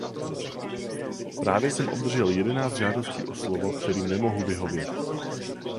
Právě jsem obdržel jedenáct žádostí o slovo, kterým nemohu vyhovět.